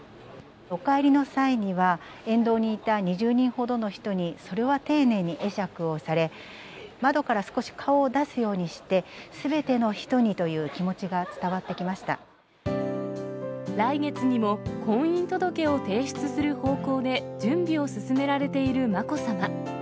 お帰りの際には、沿道にいた２０人ほどの人に、それは丁寧に会釈をされ、窓から少し顔を出すようにして、すべての人にという気持ちが伝わ来月にも、婚姻届を提出する方向で準備を進められているまこさま。